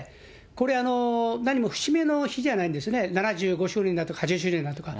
これ、何も節目の日じゃないんですね、７５周年だとか８０周年だとか。